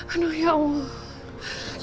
ano ya allah